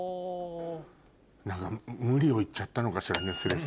何か無理を言っちゃったのかしらネスレさんに。